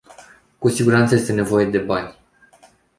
Cu siguranță este nevoie de bani.